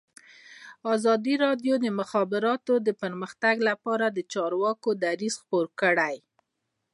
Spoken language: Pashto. ازادي راډیو د د مخابراتو پرمختګ لپاره د چارواکو دریځ خپور کړی.